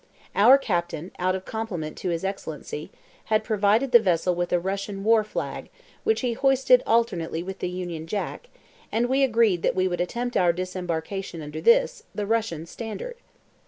Our captain, out of compliment to his Excellency, had provided the vessel with a Russian war flag, which he had hoisted alternately with the Union Jack, and we agreed that we would attempt our disembarkation under this, the Russian standard!